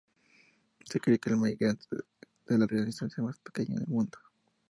Se cree que el migrante de larga distancia más pequeño en el mundo.